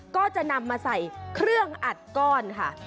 ก็จะนำมาใส่เครื่องอัดก้อนค่ะ